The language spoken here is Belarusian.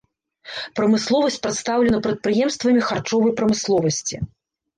Прамысловасць прадстаўлена прадпрыемствамі харчовай прамысловасці.